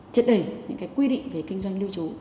trật đẩy những quy định về kinh doanh lưu trú